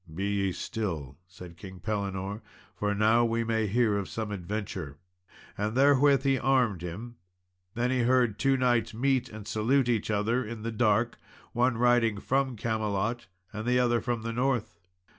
"Be ye still," said King Pellinore, "for now we may hear of some adventure," and therewith he armed him. Then he heard two knights meet and salute each other, in the dark; one riding from Camelot, the other from the north.